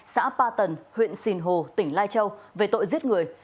xã ba tần huyện sìn hồ tỉnh lai châu về tội giết người